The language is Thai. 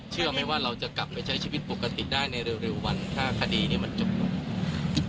เชื่อไหมว่าเราจะกลับไปใช้ชีวิตปกติได้ในเร็ววันถ้าคดีนี้มันจบลง